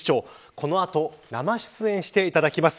この後生出演していただきます。